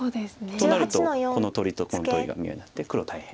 となるとこの取りとこの取りが見合いになって黒大変。